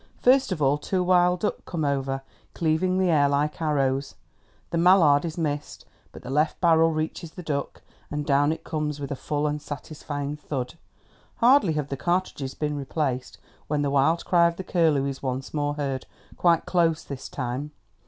First of all two wild duck come over, cleaving the air like arrows. The mallard is missed, but the left barrel reaches the duck, and down it comes with a full and satisfying thud. Hardly have the cartridges been replaced when the wild cry of the curlew is once more heard—quite close this time.